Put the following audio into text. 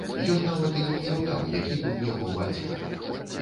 Ён нават і не ўяўляў, які быў яго бацька.